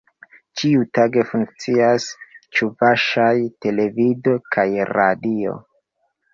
Ĉiutage funkcias ĉuvaŝaj televido kaj radio.